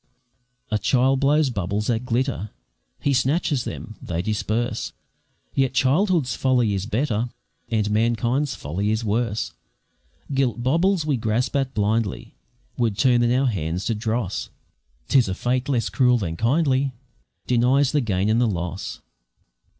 A child blows bubbles that glitter, He snatches them, they disperse; Yet childhood's folly is better, And manhood's folly is worse; Gilt baubles we grasp at blindly Would turn in our hands to dross; 'Tis a fate less cruel than kindly Denies the gain and the loss.